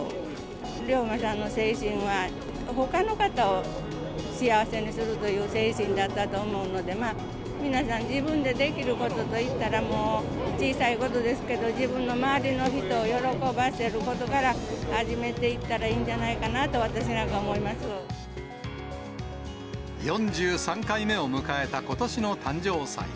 龍馬さんの精神は、ほかの方を幸せにするという精神だったと思うので、皆さん、自分でできることといったら小さいことですけど、自分の周りの人を喜ばせることから始めていったらいいんじゃない４３回目を迎えたことしの誕生祭。